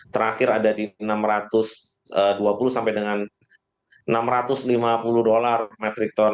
terakhir ada di rp enam ratus dua puluh sampai dengan rp enam ratus lima puluh per metric ton